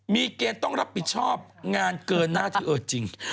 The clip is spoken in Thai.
มีเกณฑ์ต้องรับผิดชอบงานเกินหน้าที่เออจริง